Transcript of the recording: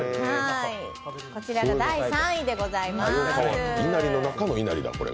こちらが第３位でございます。